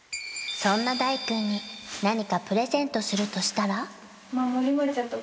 そんな大くんに何かプレゼントするとしたら？